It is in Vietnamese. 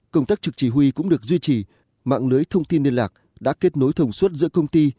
công tác trực chỉ huy cũng được duy trì mạng lưới thông tin liên lạc đã kết nối thông suốt giữa công ty